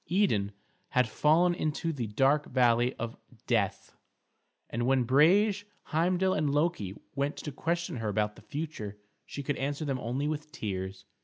Idun had fallen into the dark valley of death, and when Brage, Heimdal, and Loki went to question her about the future she could answer them only with tears.